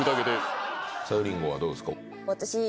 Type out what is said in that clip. さゆりんごはどうですか？